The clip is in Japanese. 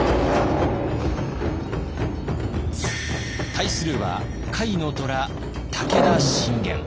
対するは甲斐の虎武田信玄。